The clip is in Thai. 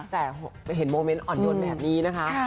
แต่ไปเห็นโมเมนต์อ่อนโยนแบบนี้นะคะ